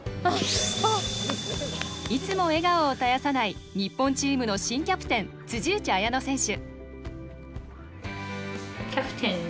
いつも笑顔を絶やさない日本チームの新キャプテン辻内彩野選手。